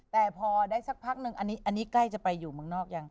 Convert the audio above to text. แต่พอได้สักพักนึงอันนี้ใกล้จะไปอยู่เมืองนอกยัง